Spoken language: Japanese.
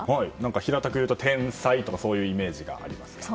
平たく言うと天才とかそういうイメージがあります。